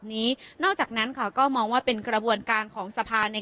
นี้นอกจากนั้นค่ะก็มองว่าเป็นกระบวนการของสภาใน